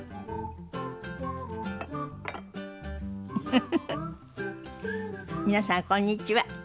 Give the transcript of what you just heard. フフフフ皆さんこんにちは。